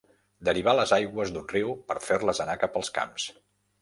Derivar les aigües d'un riu per fer-les anar cap als camps.